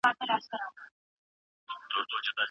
وزیر اکبر خان د کابل د پاڅون لارښوونه وکړه.